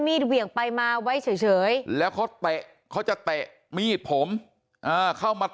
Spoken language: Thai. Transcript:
เหวี่ยงไปมาไว้เฉยแล้วเขาเตะเขาจะเตะมีดผมอ่าเข้ามา